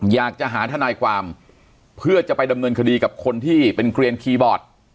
อยากจะหาทนายความเพื่อจะไปดำเนินคดีกับคนที่เป็นเกลียนคีย์บอร์ด